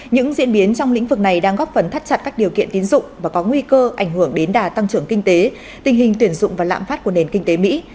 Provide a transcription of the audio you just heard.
phần thắt chặt các điều kiện tín dụng và có nguy cơ ảnh hưởng đến đà tăng trưởng kinh tế tình hình tuyển dụng và lãm phát của nền kinh tế mỹ